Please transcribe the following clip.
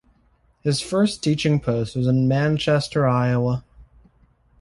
His first teaching post was in Manchester, Iowa.